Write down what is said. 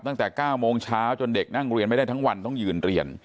ตั้งแต่๙โมงเช้าจนเด็กนั่งเรียนไม่ได้ทั้งวันต้องยืนเรียน